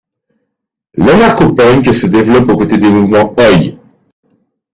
L'anarcho-punk se développe aux côtés des mouvements Oi!